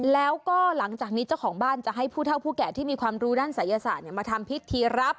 แล้วก็หลังจากนี้เจ้าของบ้านจะให้ผู้เท่าผู้แก่ที่มีความรู้ด้านศัยศาสตร์มาทำพิธีรับ